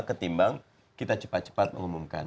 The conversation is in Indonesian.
ketimbang kita cepat cepat mengumumkan